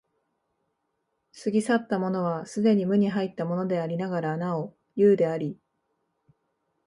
過ぎ去ったものは既に無に入ったものでありながらなお有であり、